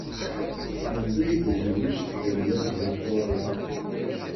Anda ay tezwej Tgellidt Victoria?